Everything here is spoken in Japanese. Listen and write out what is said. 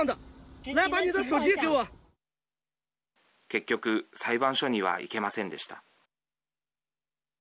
結局裁判所には行けませんでした。